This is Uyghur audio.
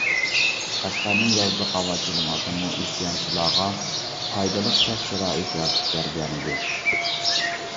قەشقەرنىڭ يازلىق ھاۋا كىلىماتىمۇ ئىسيانچىلارغا پايدىلىق شەرت-شارائىت يارىتىپ بەرگەنىدى.